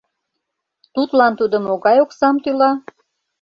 Тудлан тудо могай оксам тӱла?